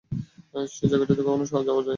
সেই জায়গাটিতে কখনো যাওয়া হয়নি।